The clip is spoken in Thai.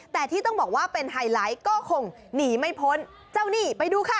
แต่ที่ต้องบอกว่าเป็นไฮไลท์ก็คงหนีไม่พ้นเจ้านี่ไปดูค่ะ